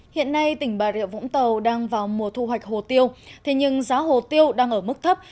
hiện nay tỉnh bà rịa vũng tàu đang vào mùa thu hoạch hồ tiêu thế nhưng giá hồ tiêu đang ở mức thấp